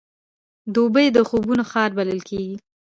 دوبی د خوبونو ښار بلل کېږي.